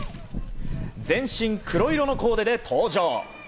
全身黒色のコーデで登場。